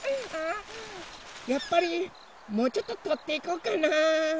やっぱりもうちょっととっていこうかな。